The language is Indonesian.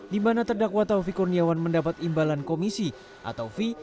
di mana terdakwa taufik kurniawan mendapat imbalan komisi atau fee